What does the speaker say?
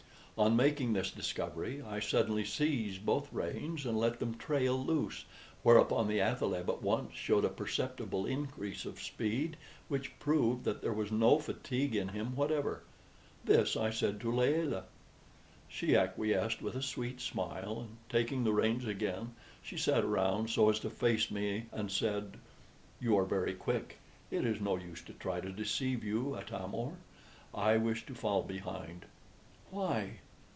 On making this discovery I suddenly seized both reins and let them trail loose, whereupon the athaleb at once showed a perceptible increase of speed, which proved that there was no fatigue in him whatever. This I said to Layelah. She acquiesced with a sweet smile, and taking the reins again, she sat around so as to face me, and said: "You are very quick. It is no use to try to deceive you, Atam or: I wish to fall behind." "Why?"